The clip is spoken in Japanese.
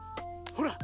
ほら。